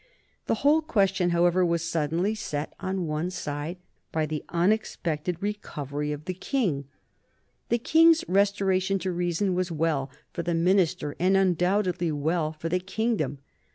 The whole question, however, was suddenly set on one side by the unexpected recovery of the King. The King's restoration to reason was well for the minister, and undoubtedly well for the kingdom.